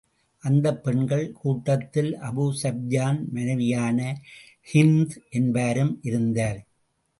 அந்தப் பெண்கள் கூட்டத்தில் அபூ ஸுப்யான் மனைவியான ஹிந்த் என்பாரும் இருந்தார்.